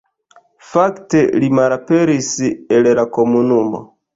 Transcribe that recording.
Fakte li malaperis el la komunumo.